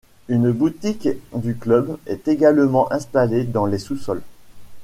Une boutique du club est également installée dans les sous-sols.